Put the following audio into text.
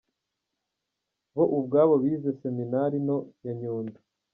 Bo ubwabo bize seminari nto ya Nyundo.